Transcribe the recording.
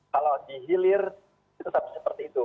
kalau di hilir tetap seperti itu